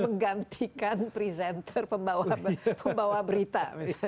menggantikan presenter pembawa berita